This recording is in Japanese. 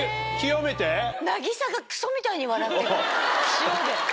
塩で。